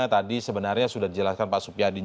tadi sebenarnya sudah dijelaskan pak supyadin